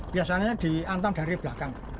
biasanya diantam dari belakang